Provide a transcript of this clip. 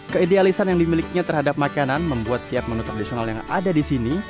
keidealisan yang dimilikinya terhadap makanan membuat tiap menu tradisional yang ada di sini